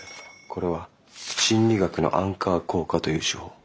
これは心理学のアンカー効果という手法。